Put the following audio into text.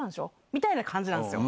みたいな感じなんですよ。